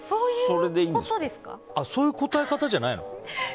そういう答え方じゃないの？